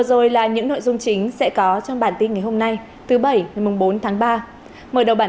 rồi là những nội dung chính sẽ có trong bản tin ngày hôm nay thứ bảy ngày bốn tháng ba mở đầu bản